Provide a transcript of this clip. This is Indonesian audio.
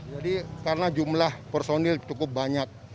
jadi karena jumlah personel cukup banyak